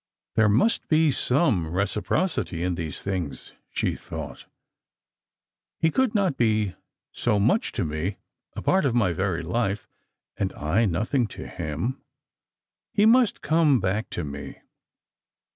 " There must be some reciprocity in these things," she thought; "he could not be so much to me— a part of my very life— and I nothing to him. He must come back to me."